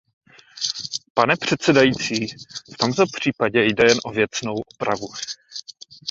Pane předsedající, v tomto případě jde jen o věcnou opravu.